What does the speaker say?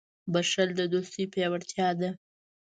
• بښل د دوستۍ پیاوړتیا ده.